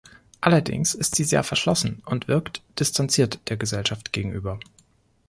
Allerdings ist sie sehr verschlossen und wirkt distanziert der Gesellschaft gegenüber.